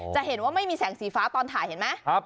จะเห็นว่าไม่มีแสงสีฟ้าตอนถ่ายเห็นไหม